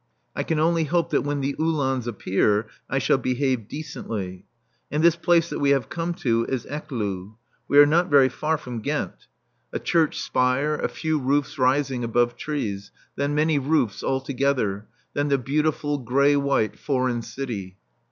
I can only hope that when the Uhlans appear I shall behave decently. And this place that we have come to is Ecloo. We are not very far from Ghent. A church spire, a few roofs rising above trees. Then many roofs all together. Then the beautiful grey white foreign city.